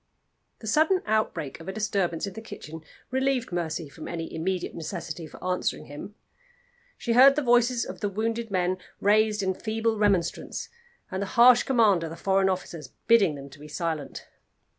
The sudden outbreak of a disturbance in the kitchen relieved Mercy from any immediate necessity for answering him. She heard the voices of the wounded men raised in feeble remonstrance, and the harsh command of the foreign officers bidding them be silent.